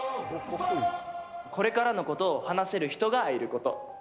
これからのことを話せる人がいること。